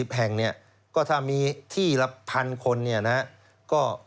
๑๒๐แห่งก็ถ้ามีที่ละพันคนก็